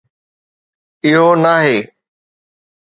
اھو ناھي